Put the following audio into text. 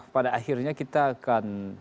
pada akhirnya kita akan